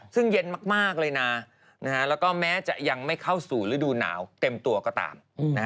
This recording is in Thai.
ซึ่งเย็นมากเลยนะแล้วก็แม้จะยังไม่เข้าสู่ฤดูหนาวเต็มตัวก็ตาม